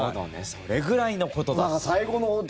それぐらいのことだと。